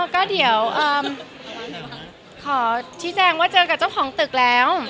ก็เดี๋ยวขอชี้แจงว่าเจอกับเจ้าของตึกแล้ว